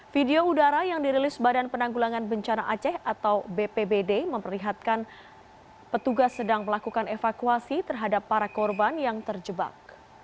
video udara yang dirilis badan penanggulangan bencana aceh atau bpbd memperlihatkan petugas sedang melakukan evakuasi terhadap para korban yang terjebak